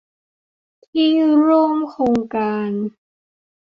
ที่ร่วมโครงการ